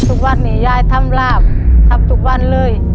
ทุกวันนี้ยายทำลาบทำทุกวันเลย